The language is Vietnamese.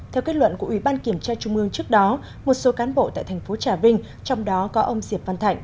theo kết luận của ubnd tp trà vinh trước đó một số cán bộ tại tp trà vinh trong đó có ông diệp văn thạnh